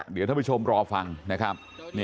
เดี๋ยวท่านผู้ชมรอฟังนะครับ